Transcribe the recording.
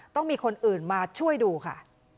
ต้องมีคนอื่นมาช่วยดูค่ะ